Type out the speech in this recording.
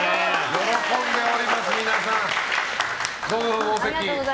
喜んでおります、皆さん。